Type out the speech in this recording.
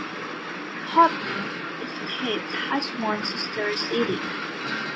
Hoffman Estates has one sister city.